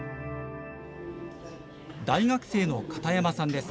大学生の片山さんです。